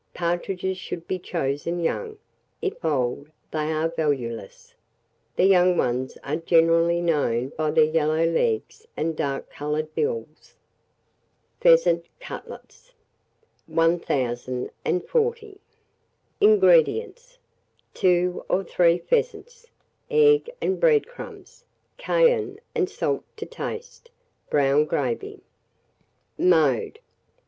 Partridges should be chosen young; if old, they are valueless. The young ones are generally known by their yellow legs and dark coloured bills. PHEASANT CUTLETS. 1040. INGREDIENTS. 2 or 3 pheasants, egg and bread crumbs, cayenne and salt to taste, brown gravy. Mode.